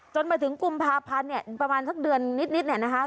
มาถึงกุมภาพันธ์เนี่ยประมาณสักเดือนนิดเนี่ยนะคะ